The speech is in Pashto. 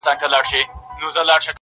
ژوند ټوله پند دی.